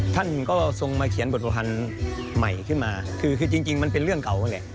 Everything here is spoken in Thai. ท่านก็ทรงมาเขียนบทประพันธ์ใหม่ขึ้นมาคือคือจริงมันเป็นเรื่องเก่านั่นแหละ